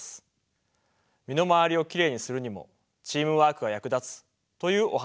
身の回りをきれいにするにもチームワークが役立つというお話でした。